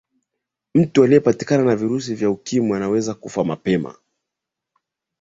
mtu aliyepatikana na virusi vya ukimwi anaweza kufa mapema